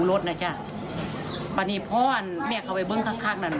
ตอนนี้พ่อแม่เขาไปเบิ้งข้างนั่น